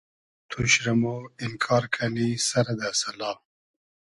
توش رۂ مۉ اینکار کئنی سئر دۂ سئلا